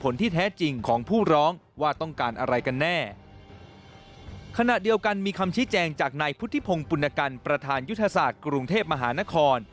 ขณะเดียวกันมีคำชี้แจงจากนายพุทธิพงศ์ปุณกันประธานยุทธศาสตร์กรุงเทพมหานคร